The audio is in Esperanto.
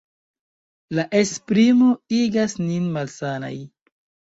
La esprimo igas nin malsanaj.